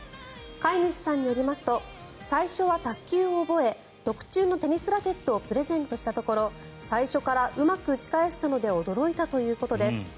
飼い主さんによりますと最初は卓球を覚え特注のテニスラケットをプレゼントしたところ最初からうまく打ち返したので驚いたということです。